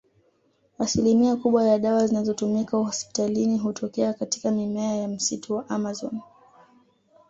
Asilimia kubwa ya dawa zinazotumika hospitalini hutokea katika mimea ya msitu wa Amazon